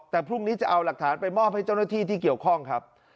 แต่พรุ่งนี้จะเอาหลักฐานไปมอบให้เจ้าหน้าที่ที่เกี่ยวข้องครับ